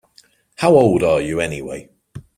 How old are you anyway?